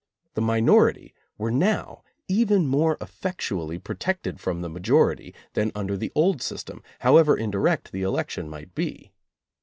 The minority were now even more effectually pro tected from the majority than under the old sys tem, however indirect the election might be.